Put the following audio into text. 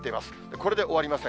これで終わりません。